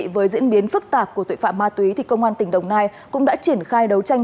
với diễn biến phức tạp của tội phạm ma túy công an tỉnh đồng nai cũng đã triển khai đấu tranh